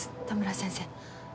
田村先生。